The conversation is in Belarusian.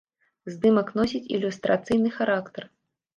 Здымак носіць ілюстрацыйны характар.